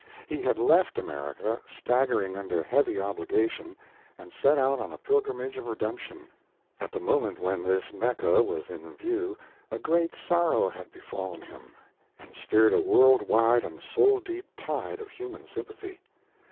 He had left America, staggering under heavy obligation and set out on a pilgrimage of redemption. At the moment when this Mecca, was in view a great sorrow had befallen him and, stirred a world wide and soul deep tide of human sympathy.